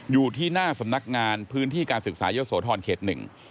อยู่ที่หน้าสำนักงานพื้นที่การศึกษาเยอะโสธรเขตหนึ่ง